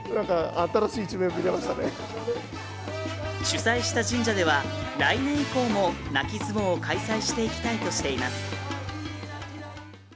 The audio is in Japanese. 主催した神社では来年以降も泣き相撲を開催していきたいとしています。